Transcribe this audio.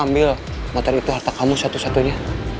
ambil motor itu harta kamu satu satunya